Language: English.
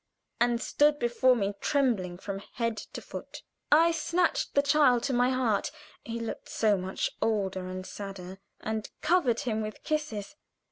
and stood before me trembling from head to foot. I snatched the child to my heart (he looked so much older and sadder), and covered him with kisses.